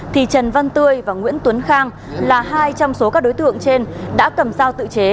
thì trần văn tươi và nguyễn tuấn khang là hai trăm linh số các đối tượng trên đã cầm dao tự chế